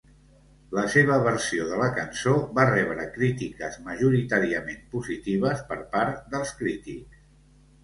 La seva versió de la cançó va rebre crítiques majoritàriament positives per part dels crítics.